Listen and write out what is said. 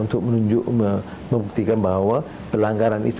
untuk membuktikan bahwa pelanggaran itu